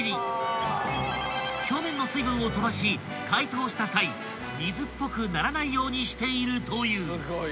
［表面の水分を飛ばし解凍した際水っぽくならないようにしているという］